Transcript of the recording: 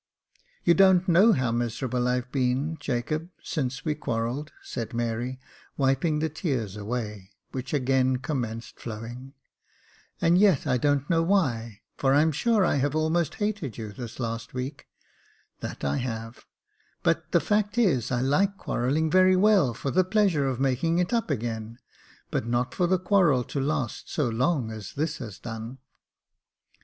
" You don't know how miserable I have been, Jacob, since we quarrelled," said Mary, wiping the tears away, which again commenced flowing ;*' and yet I don't knov/ why, for I'm sure I have almost hated you this last week — that I have ; but the fact is I like quarrelling very well for the pleasure of making it up again ; but not for the quarrel to last so long as this has done."